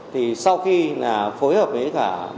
thì sau khi phối hợp với công an phường kim giang